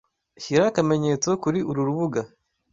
Shyira akamenyetso kuri uru rubuga.